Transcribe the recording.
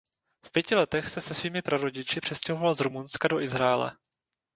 V pěti letech se se svými prarodiči přestěhoval z Rumunska do Izraele.